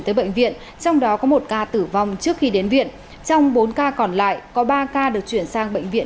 tới bệnh viện trong đó có một ca tử vong trước khi đến viện trong bốn ca còn lại có ba ca được chuyển sang bệnh viện